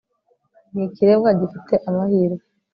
ni ikiremwa gifite amahirwe